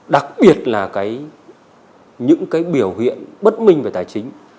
đặc biệt là những cái biểu hiện bất minh về tài chính